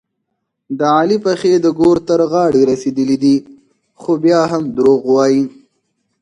د علي پښې د ګور تر غاړې رسېدلې دي، خو بیا هم دروغ وايي.